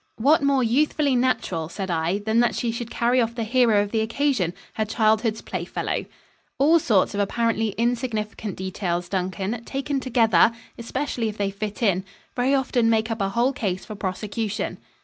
"What more youthfully natural," said I, "than that she should carry off the hero of the occasion her childhood's playfellow?" "All sorts of apparently insignificant details, Duncan, taken together especially if they fit in very often make up a whole case for prosecution."